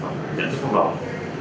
nhưng cái nhận thức của các tổ tượng này